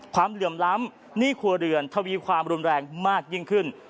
เหลื่อมล้ำหนี้ครัวเรือนทวีความรุนแรงมากยิ่งขึ้น